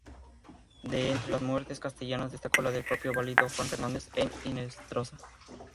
De entre las muertes castellanas, destacó la del propio valido Juan Fernández de Hinestrosa.